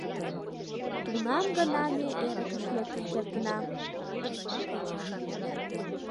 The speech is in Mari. Тунам гына ме эрыкыш лектын кертына...»